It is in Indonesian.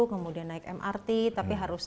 kemudian naik mrt tapi harus